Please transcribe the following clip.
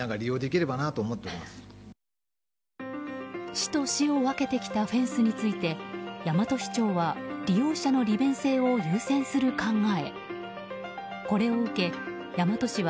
市と市を分けてきたフェンスについて大和市長は利用者の利便性を優先する考え。